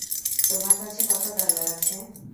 তোমার কাছে কত ডলার আছে?